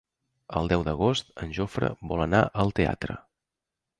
El deu d'agost en Jofre vol anar al teatre.